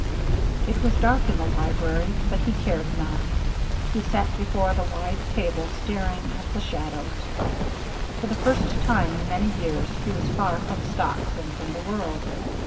It was dark in the library, but he cared not. He sat before the wide table staring at the shadows. For the first time in many years he was far from stocks and from the world.